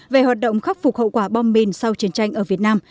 về hoạt động khắc phục hậu quả bom mìn sau chiến tranh ở việt nam